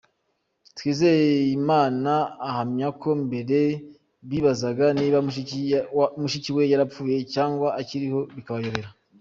Twizeyimana ahamya ko mbere bibazaga niba mushikiwe yarapfuye cyangwa akiriho bikabayobera.